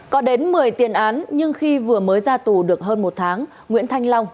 có đến một mươi tiền án nhưng khi vừa mới ra tù được hơn một tháng nguyễn thanh long